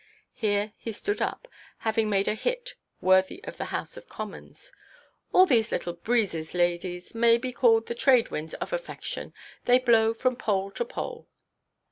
Here he stood up, having made a hit, worthy of the House of Commons. "All these little breezes, ladies, may be called the trade–winds of affection. They blow from pole to pole."